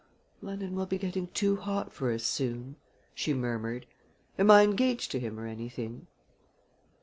"London will be getting too hot for us soon!" she murmured. "Am I engaged to him or anything?"